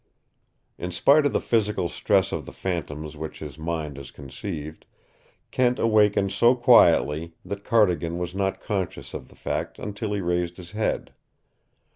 In spite of the physical stress of the phantoms which his mind has conceived, Kent awakened so quietly that Cardigan was not conscious of the fact until he raised his head.